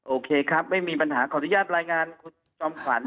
โอเคครับไม่มีปัญหาขออนุญาตรายงานคุณจอมขวัญ